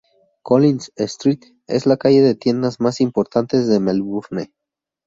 Collins Street es la calle de tiendas más importante de Melbourne.